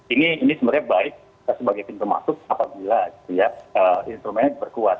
ini sebenarnya baik sebagai pintu masuk apabila instrumennya diperkuat